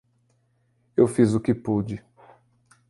Eu fiz o que pude.